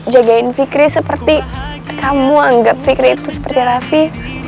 jagain fikri seperti kamu anggap fikri itu seperti rafi